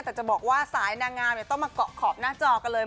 แต่จะบอกว่าสายนางงามต้องมาเกาะขอบหน้าจอกันเลย